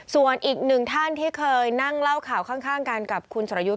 ส่วนอีกหนึ่งท่านที่เคยนั่งเล่าข่าวข้างกันกับคุณสรยุทธ์